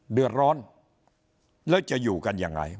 เดือดร้อนแล้วจะอยู่กันยังไง